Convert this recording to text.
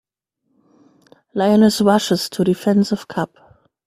Lioness Rushes to Defense of Cub.